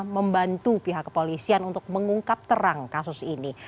membantu pihak kepolisian untuk mengungkap terang kasus ini